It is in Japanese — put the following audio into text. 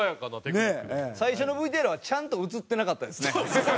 最初のＶＴＲはちゃんと映ってなかったですね。